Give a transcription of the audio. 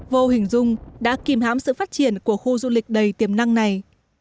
vô hình dung đã kìm hám sự phát triển của khu du lịch đầy tiềm năng này